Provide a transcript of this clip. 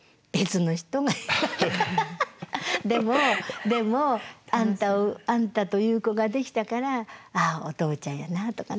でも「でもあんたという子ができたからああお父ちゃんやな」とかね。